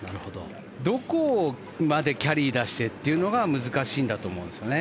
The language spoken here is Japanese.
どこまでキャリーを出してというのが難しいんだと思うんだよね。